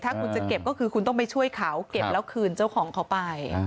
ถ้าคุณจะเก็บก็คือคุณต้องไปช่วยเขาเก็บแล้วคืนเจ้าของเขาไป